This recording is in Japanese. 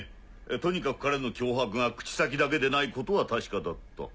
とにかく彼の脅迫が口先だけでないことは確かだった。